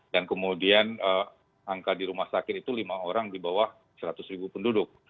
kemudian angka di rumah sakit itu lima orang di bawah seratus ribu penduduk